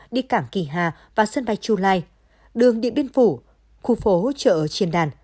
đi cảng kỳ hà và sân bay chu lai đường điện biên phủ khu phố chợ triền đàn